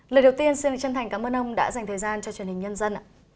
lời đầu tiên xin chân thành cảm ơn ông đã dành thời gian cho truyền hình nhân dân ạ